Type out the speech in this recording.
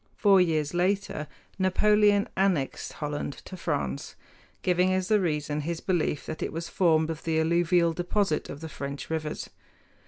Four years later Napoleon annexed Holland to France, giving as the reason his belief that it was formed of the alluvial deposit of French rivers.